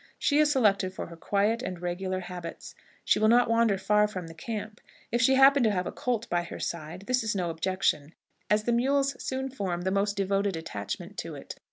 She is selected for her quiet and regular habits. She will not wander far from the camp. If she happen to have a colt by her side, this is no objection, as the mules soon form the most devoted attachment to it.